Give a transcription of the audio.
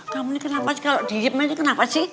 kamu ini kenapa sih kalau diemnya ini kenapa sih